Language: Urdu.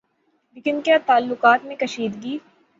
لیکن کیا تعلقات میں کشیدگی